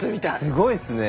すごいっすね。